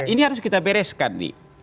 ini harus kita bereskan nih